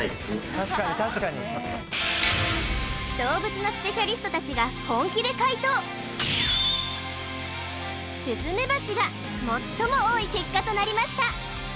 確かに確かに動物のスペシャリスト達が本気で解答スズメバチが最も多い結果となりました